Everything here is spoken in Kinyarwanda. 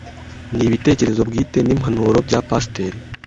ni ibitekerezo bwite n’impanuro bya Pasiteri